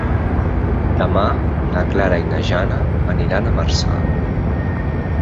Demà na Clara i na Jana aniran a Marçà.